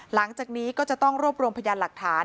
หลังจากนี้ก็จะต้องรวบรวมพยานหลักฐาน